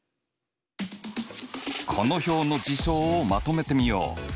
この表の事象をまとめてみよう。